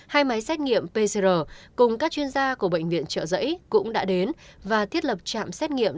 hai máy xét nghiệm pcr cùng các chuyên gia của bệnh viện trợ giấy cũng đã đến và thiết lập trạm xét nghiệm